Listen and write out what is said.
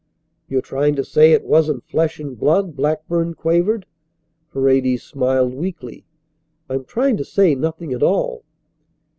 "You're trying to say it wasn't flesh and blood," Blackburn quavered. Paredes smiled weakly. "I'm trying to say nothing at all."